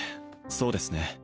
そうですね